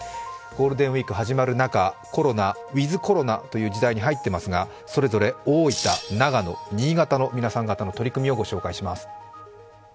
ゴールデンウイーク始まる中ウィズ・コロナという時代に入っていますがそれぞれ大分、長野、新潟の皆さん方の取り組みをご紹介します。